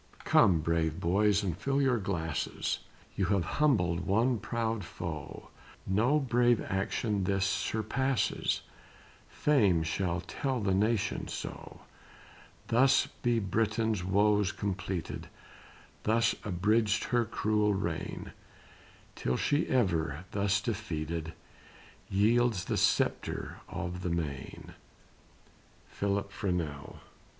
Come, brave boys, and fill your glasses, You have humbled one proud foe, No brave action this surpasses, Fame shall tell the nation so Thus be Britain's woes completed, Thus abridged her cruel reign, Till she ever, thus defeated, Yields the sceptre of the main. PHILIP FRENEAU.